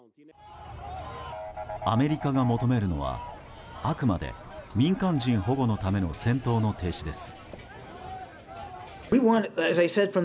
アメリカが求めるのはあくまで、民間人保護のための戦闘の停止です。